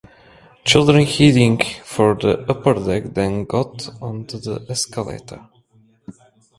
Children heading for the upper deck then got onto the escalator.